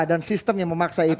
dan sistem yang memaksa itu